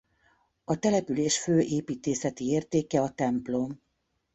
A település fő építészeti értéke a templom.